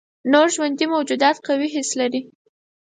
نور ژوندي موجودات قوي حس لري.